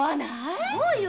そうよ。